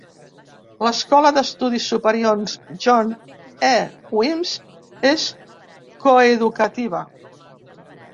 L'escola d'estudis superiors John E. Weems és coeducativa.